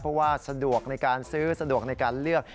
เพราะว่าสะดวกในการซื้อสะดวกในการเลือก